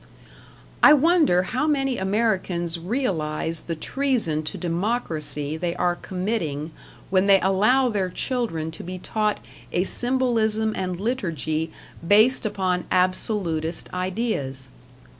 I wonder how many Americans realize the treason to democracy they are committing when they allow their children to be taught a symbolism and liturgy based upon absolutist ideas.